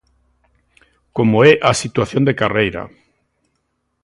Como é a situación de carreira.